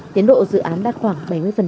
tiến độ dự án đạt khoảng bảy mươi